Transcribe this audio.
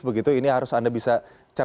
begitu ini harus anda bisa cek